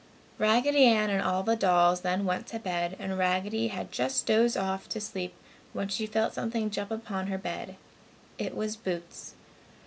Raggedy Ann and all the dolls then went to bed and Raggedy had just dozed off to sleep when she felt something jump upon her bed. It was Boots.